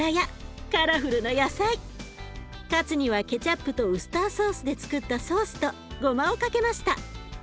カツにはケチャップとウスターソースでつくったソースとごまをかけました。